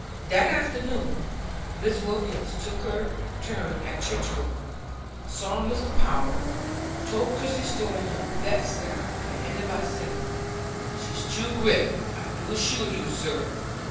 That afternoon Mrs. Wilkins took her turn at church going, saw Mr. Power, told Christie's story in her best style, and ended by saying: "She's true grit, I do assure you, sir.